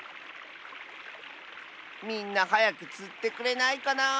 みんなはやくつってくれないかな。